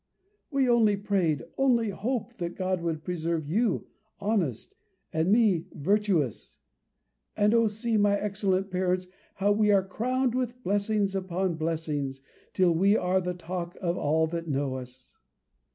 We only prayed, only hoped, that God would preserve you honest, and me virtuous: and, O see, my excellent parents, how we are crowned with blessings upon blessings, till we are the talk of all that know us.